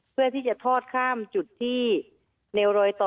เพื่อที่จะทอดข้ามจุดที่แนวรอยต่อ